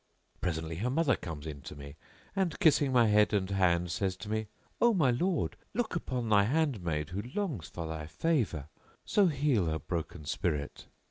Presently her mother comes in to me, and kissing[FN#668] my head and hand, says to me, 'O my lord, look upon thine handmaid who longs for thy favour; so heal her broken spirit!'